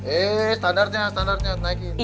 eh standartnya standartnya naikin